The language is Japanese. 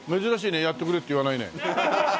やってくれって言わないね。